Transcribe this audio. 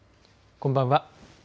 こんばんは。